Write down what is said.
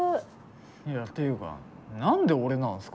いやっていうか何で俺なんすか？